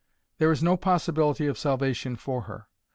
There is no possibility of salvation for her.